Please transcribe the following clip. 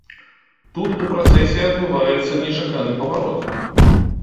Тут у працэсе адбываецца нечаканы паварот.